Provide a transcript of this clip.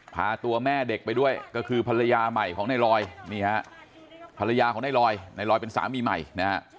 พาตัวแม่เด็กไปด้วยก็คือภรรยาใหม่ของในลอยนี่ฮะภรรยาของในลอยในลอยเป็นสามีใหม่นะฮะ